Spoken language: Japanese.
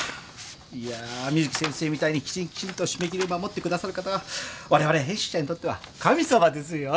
いや水木先生みたいにきちんきちんと締め切りを守って下さる方は我々編集者にとっては神様ですよ。